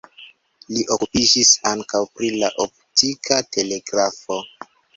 Li okupiĝis ankaŭ pri la optika telegrafo.